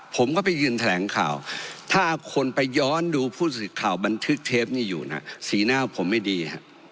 ผมก็ไปยืนแถลงข่าวถ้าคนไปย้อนดูผู้สื่อข่าวบันทึกเทปนี้อยู่นะสีหน้าผมไม่ดี